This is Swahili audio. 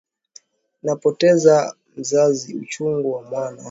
Napoteza mzazi, uchungu wa mwana.